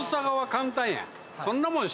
そんなもん。